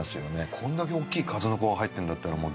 これだけ大きい数の子が入ってるんだったらもう。